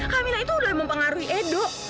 kamina itu udah mempengaruhi edo